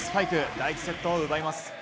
第１セットを奪います。